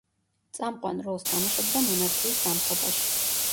წამყვან როლს თამაშობდა მონარქიის დამხობაში.